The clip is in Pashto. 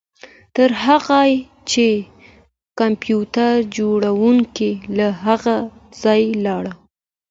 تر هغه چې د کمپیوټر جوړونکی له هغه ځایه لاړ